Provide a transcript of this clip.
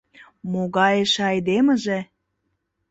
Могай эше айдемыже!